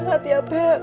aku jahat ya beb